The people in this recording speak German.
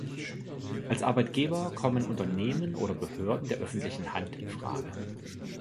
Als Arbeitgeber kommen Unternehmen oder Behörden der öffentlichen Hand in Frage.